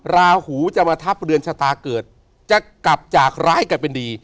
ราหูจะมาทับเรือนชะตาเกิดจะกลับจากร้ายกลับเป็นดี